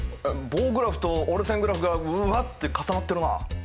棒グラフと折れ線グラフがブワッて重なってるな。